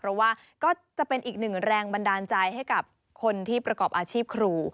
เพราะว่าก็จะเป็นอีกหนึ่งแรงบันดาลใจให้กับคนที่ประกอบอาชีพครู